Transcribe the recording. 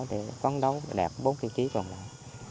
để phấn đấu đạt bốn tiêu chí còn lại